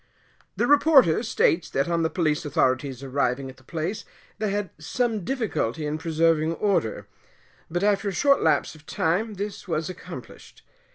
The reporter states that on the police authorities arriving at the place, they had some difficulty in preserving order; but after a short lapse of time this was accomplished.